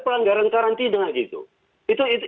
pelanggaran karantina gitu itu